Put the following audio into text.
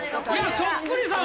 そっくりさん